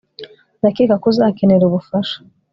ndakeka ko uzakenera ubufasha